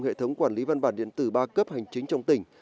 hệ thống quản lý văn bản điện tử ba cấp hành chính trong tỉnh